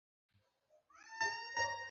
আপনি মনে হচ্ছে আমার ওপর বিরক্ত হচ্ছেন।